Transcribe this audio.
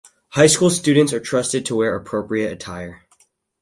High school students are trusted to wear appropriate attire.